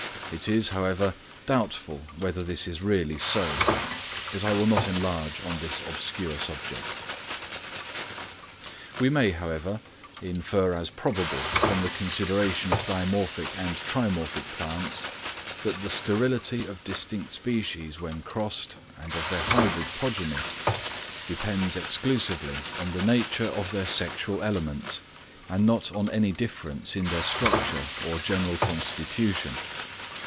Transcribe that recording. It is, however, doubtful whether this is really so; but I will not enlarge on this obscure subject. We may, however, infer as probable from the consideration of dimorphic and trimorphic plants, that the sterility of distinct species when crossed and of their hybrid progeny, depends exclusively on the nature of their sexual elements, and not on any difference in their structure or general constitution.